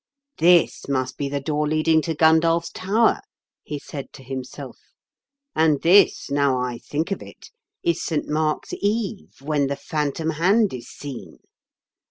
"This must be the door leading to Gundulph's Tower," he said to himself. "And this, now I think of it, is St. Mark's Eve, when the phantom hand is seen.